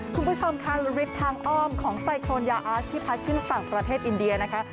คุณผู้ชมค่ะฤทธิ์ทางอ้อมของไซโครนยาอาสที่พัดขึ้นฝั่งประเทศอินเดียนะคะ